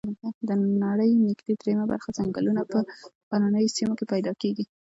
د نړۍ نږدي دریمه برخه ځنګلونه په غرنیو سیمو کې پیدا کیږي